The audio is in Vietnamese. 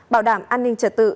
bảo đảm an ninh trật tự